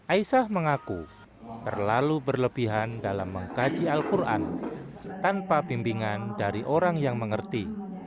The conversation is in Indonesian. aisah mengaku terlalu berlebihan dalam mengkaji al quran tanpa bimbingan dari orang yang mengerti